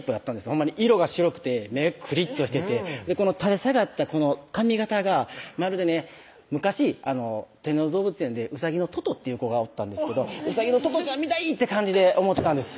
ほんまに色が白くて目クリッとしてて垂れ下がったこの髪形がまるでね昔天王寺動物園でうさぎのトトっていう子がおったんですけどうさぎのトトちゃんみたいって感じで思ってたんです